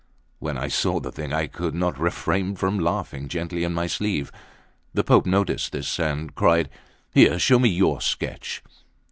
When I saw the thing, I could not refrain from laughing gently in my sleeve. The Pope noticed this, and cried: "Here, show me your sketch!"